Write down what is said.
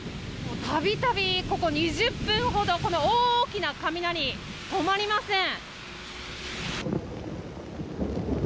度々、ここ２０分ほどこの大きな雷止まりません。